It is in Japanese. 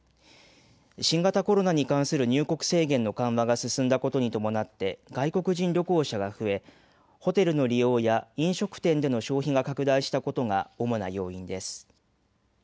新型コロナに関する入国制限の緩和が進んだことに伴って外国人旅行者が増えホテルの利用や飲食店での消費が拡大したことが主な要因です。